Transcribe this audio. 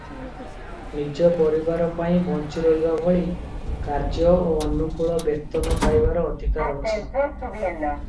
ନିଜ ପରିବାର ପାଇଁ ବଞ୍ଚି ରହିବା ଭଳି କାର୍ଯ୍ୟ ଓ ଅନୁକୂଳ ବେତନ ପାଇବାର ଅଧିକାର ଅଛି ।